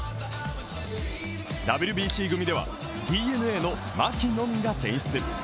ＷＢＣ組ではＤｅＮＡの牧のみが選出。